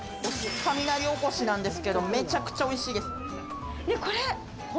雷おこしなんですけど、めちゃくちゃおいしいです。